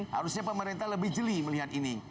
harusnya pemerintah lebih jeli melihat ini